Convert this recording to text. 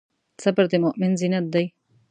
صبر د مؤمن زینت دی.